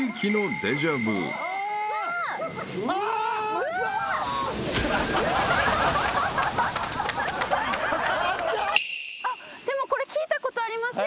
［これは］でもこれ聞いたことありますよ。